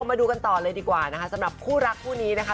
มาดูกันต่อเลยดีกว่านะคะสำหรับคู่รักคู่นี้นะคะ